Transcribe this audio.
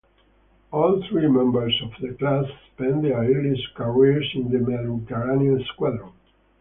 All three members of the class spent their early careers in the Mediterranean Squadron.